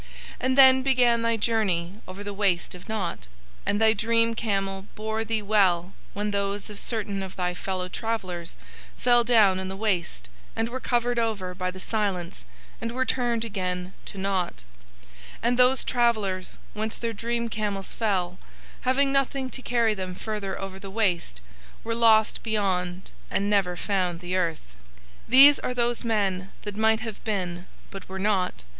And then began thy journey over the Waste of Nought, and thy dream camel bore thee well when those of certain of thy fellow travellers fell down in the Waste and were covered over by the silence and were turned again to nought; and those travellers when their dream camels fell, having nothing to carry them further over the Waste, were lost beyond and never found the earth. These are those men that might have been but were not.